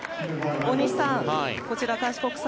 大西さん、こちら開志国際